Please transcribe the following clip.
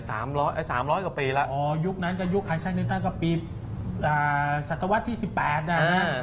สามร้อยกว่าปีละอ๋อยุคนั้นก็ยุคไฮซ่านิวต้านก็ปีสัตวัสดิ์ที่๑๘นะฮะ